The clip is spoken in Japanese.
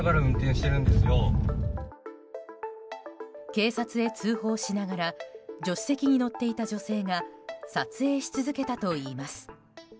警察へ通報しながら助手席に乗っていた女性が撮影し続けたといいます。